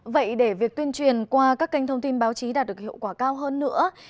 vậy để việc tuyên truyền qua các kênh thông tin báo chí đạt được hiệu quả cao hơn nữa